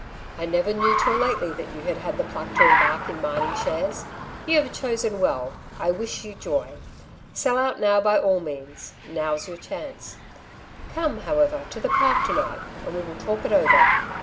I never knew till lately that you had had the pluck to embark in mining shares. You have chosen well ; I wish you joy. Sell out now by all means ; now's your chance. Come, how ever, to the Park to night, and we will talk it over."